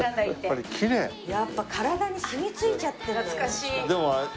やっぱ体に染みついちゃってるのよ。